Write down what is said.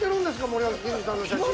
森脇健児さんの写真。